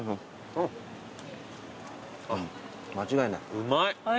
うまい。